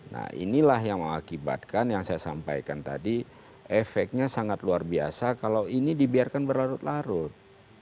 nah inilah yang mengakibatkan yang saya sampaikan tadi efeknya sangat luar biasa kalau ini dibiarkan berlarut larut